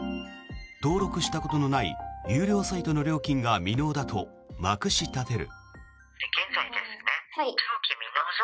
登録したことのない有料サイトの料金が未納だとまくし立てる。